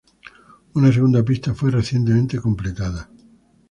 Una segunda pista fue recientemente completada.